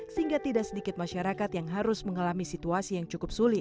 sehingga tidak sedikit masyarakat yang harus mengalami situasi yang cukup sulit